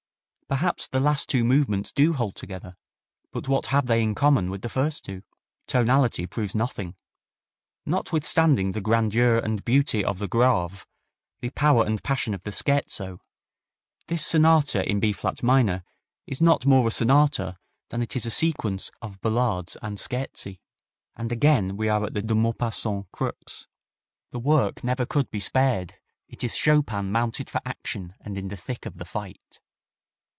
Perhaps the last two movements do hold together, but what have they in common with the first two? Tonality proves nothing. Notwithstanding the grandeur and beauty of the grave, the power and passion of the scherzo, this Sonata in B flat minor is not more a sonata than it is a sequence of ballades and scherzi. And again we are at the de Maupassant crux. The work never could be spared; it is Chopin mounted for action and in the thick of the fight.